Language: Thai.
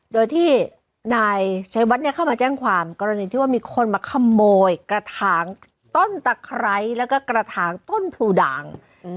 โดยที่นายชัยวัดเนี่ยเข้ามาแจ้งความกรณีที่ว่ามีคนมาขโมยกระถางต้นตะไคร้แล้วก็กระถางต้นพลูด่าง